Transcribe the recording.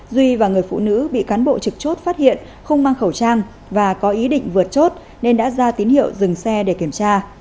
duy và người phụ nữ bị cán bộ trực chốt phát hiện không mang khẩu trang và có ý định vượt chốt nên đã ra tín hiệu dừng xe để kiểm tra